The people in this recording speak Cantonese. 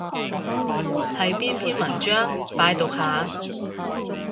係邊篇文章？拜讀下